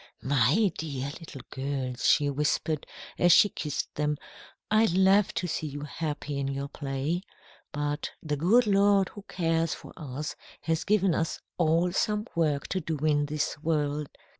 "My dear little girls," she whispered, as she kissed them, "I love to see you happy in your play. But the good Lord who cares for us has given us all some work to do in this world.